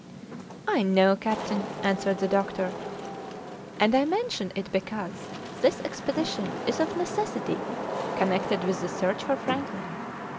"I know, captain," answered the doctor, "and I mention it because this expedition is of necessity connected with the search for Franklin.